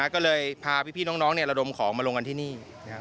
ก็เลยพาพี่น้องระดมของมาลงกันที่นี่